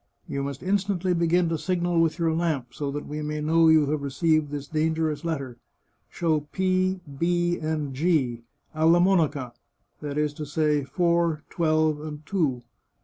You must instantly begin to signal with your lamp, so that we may know you have received this dangerous letter. Show ' P,* * B,' and * G,' alia monaca — that is to say, four, twelve, and two.